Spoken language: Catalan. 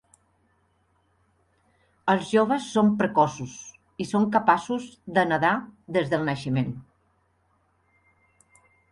Els joves són precoços, i són capaços de nedar des del naixement.